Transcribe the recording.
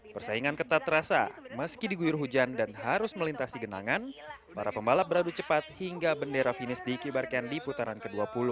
persaingan ketat terasa meski diguyur hujan dan harus melintasi genangan para pembalap beradu cepat hingga bendera finish dikibarkan di putaran ke dua puluh